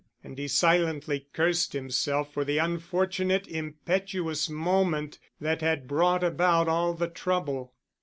And he silently cursed himself for the unfortunate impetuous moment that had brought about all the trouble.